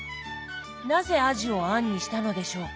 なぜあじを餡にしたのでしょうか？